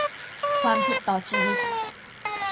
ความผิดต่อชีวิต